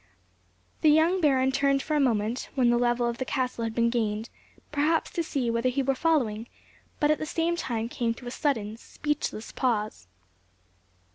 The young baron turned for a moment, when the level of the castle had been gained, perhaps to see whether he were following, but at the same time came to a sudden, speechless pause.